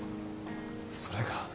それが。